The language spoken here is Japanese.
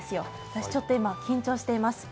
私ちょっと今、緊張しています。